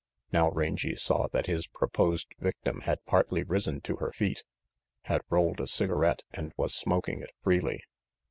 Now Rangy saw that his proposed victim had partly risen to her feet, had rolled a cigarette and was smoking it freely.